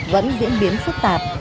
vẫn diễn biến phức tạp